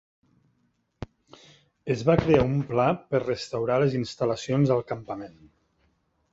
Es va crear un pla per restaurar les instal·lacions al campament.